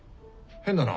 変だな。